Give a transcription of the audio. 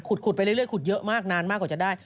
ขุดไปเรื่อยขุดเยอะมากนานมากกว่าจะได้